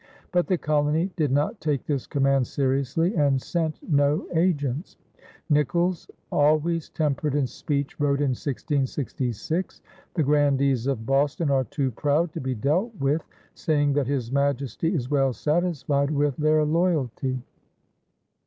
But the colony did not take this command seriously and sent no agents. Nicolls, always temperate in speech, wrote in 1666: "The grandees of Boston are too proud to be dealt with, saying that His Majesty is well satisfied with their loyalty."